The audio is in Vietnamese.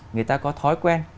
người ta có thói quen